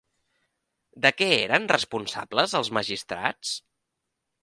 De què eren responsables els magistrats?